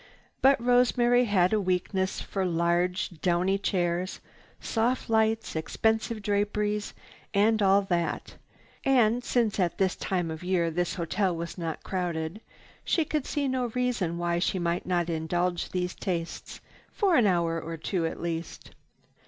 But Rosemary had a weakness for large downy chairs, soft lights, expensive draperies and all that and, since at this time of year this hotel was not crowded, she could see no reason why she might not indulge these tastes for an hour or two at least.